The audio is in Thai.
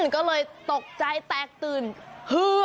ก็เลยตกใจแตกตื่นฮือ